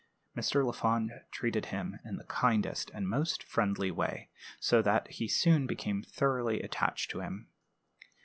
Mr. Lafond treated him in the kindest and most friendly way, so that he soon became thoroughly attached to him.